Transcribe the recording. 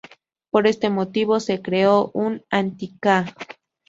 Por este motivo, se creó un "anti-K'".